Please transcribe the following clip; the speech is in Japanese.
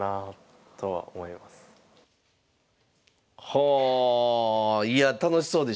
はあいや楽しそうでしたね。